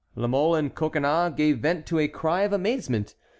La Mole and Coconnas gave vent to a cry of amazement.